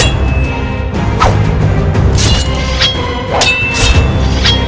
sepertinya aku harus menggunakan pedang pusaka ini